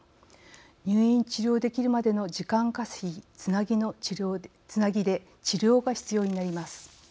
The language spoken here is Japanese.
入院・治療できるまでの時間かせぎ、つなぎで治療が必要になります。